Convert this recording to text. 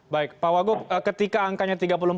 baik pak wago ketika angkanya